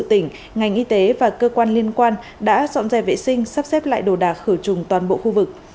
tỉnh ngành y tế và cơ quan liên quan đã dọn dẹp vệ sinh sắp xếp lại đồ đạc khử trùng toàn bộ khu vực